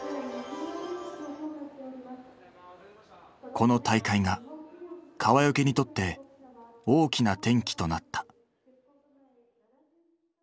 この大会が川除にとって大きな転機となった。